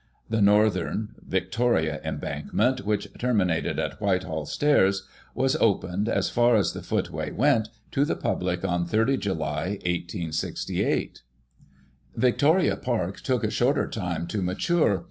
The northern (Victoria) embankment^ which terminated at Whitehall Stair^, was opened (as far as the footway went) to the public on 30 July, 1868. Victoria Park took a shorter time to mature.